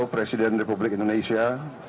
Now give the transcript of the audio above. presiden republik indonesia